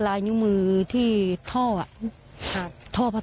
ป้าของน้องธันวาผู้ชมข่าวอ่อน